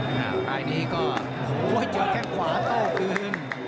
แล้วใกล้นี้ก็เจอแค่ขวาเต้าคืน